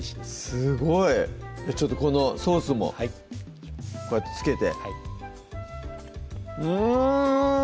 すごいちょっとこのソースもはいこうやって付けてうん！